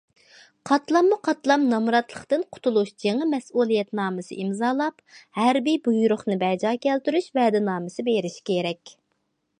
قاتلاممۇ قاتلام نامراتلىقتىن قۇتۇلۇش جېڭى مەسئۇلىيەتنامىسى ئىمزالاپ، ھەربىي بۇيرۇقنى بەجا كەلتۈرۈش ۋەدىنامىسى بېرىشى كېرەك.